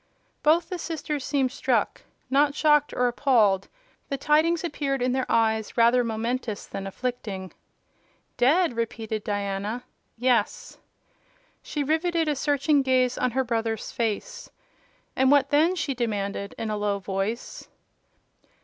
Both the sisters seemed struck: not shocked or appalled; the tidings appeared in their eyes rather momentous than afflicting. "Dead?" repeated Diana. "Yes." She riveted a searching gaze on her brother's face. "And what then?" she demanded, in a low voice.